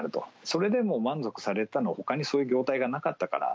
それでも満足されたのは、ほかにそういう業態がなかったから。